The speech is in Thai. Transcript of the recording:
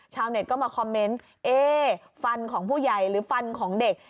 ชาวเน็ตก็มาคอมเมนต์เอ๊ฟันของผู้ใหญ่หรือฟันของเด็ก